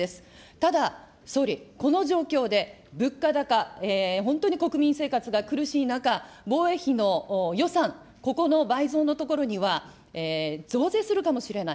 ただ、総理、この状況で、物価高、本当に国民生活が苦しい中、防衛費の予算、ここの倍増のところには、増税するかもしれない。